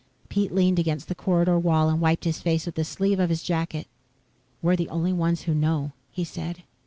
Pete leaned against the corridor wall and wiped his face with the sleeve of his jacket. "We're the only ones who know," he said.